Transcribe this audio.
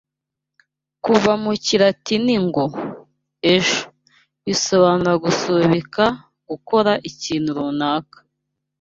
Kuva mu kilatini ngo "ejo", bisobanura gusubika gukora ikintu runaka